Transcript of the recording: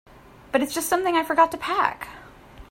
But it's just something I forgot to pack.